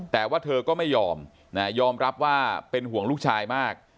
แต่ว่าเธอก็ไม่ยอมยอมรับว่าเป็นห่วงลูกชายมาก